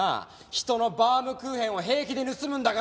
人のバウムクーヘンを平気で盗むんだから！